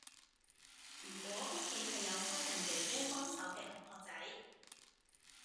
如果屋企係有工人姐姐幫手嘅同學仔